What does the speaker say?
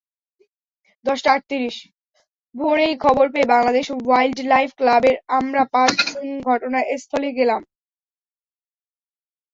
ভোরেই খবর পেয়ে Bangladesh wild life ক্লাবের আমরা পাঁচজন ঘটনাস্থলে গেলাম।